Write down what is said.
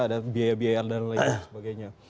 ada biaya biaya dan lain sebagainya